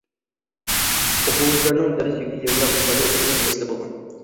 ئوقۇغۇچىلارنىڭ دەرس يۈكى يەنىلا بىر قەدەر ئېغىر مەسىلە بولغان.